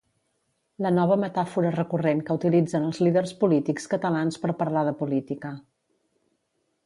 La nova metàfora recurrent que utilitzen els líders polítics catalans per parlar de política.